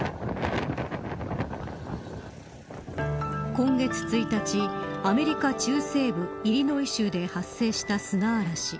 今月１日アメリカ中西部イリノイ州で発生した砂嵐。